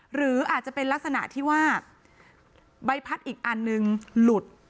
หรืออาจจะเป็นลักษณะที่ว่าใบพัดอีกอันนึงหลุด